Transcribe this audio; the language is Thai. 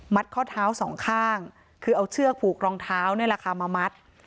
มัดข้อเท้าสองข้างคือเอาเชือกผูกรองเท้ามามัด